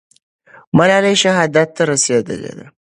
ملالۍ شهادت ته رسېدلې ده.